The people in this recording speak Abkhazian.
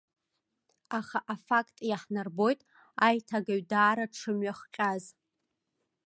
Аха афакт иаҳнарбоит аиҭагаҩ даара дшымҩахҟьаз.